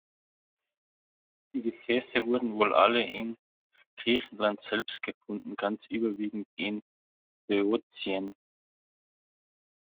Die Gefäße wurden wohl alle in Griechenland selbst gefunden, ganz überwiegend in Böotien.